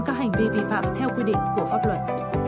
các hành vi vi phạm theo quy định của pháp luật